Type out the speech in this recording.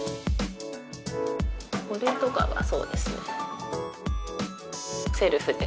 これとかがそうですね。